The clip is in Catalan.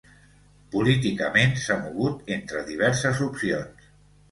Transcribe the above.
Políticament, s'ha mogut entre diverses opcions.